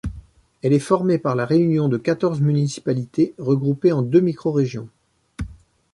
Elle est formée par la réunion de quatorze municipalités regroupées en deux microrégions.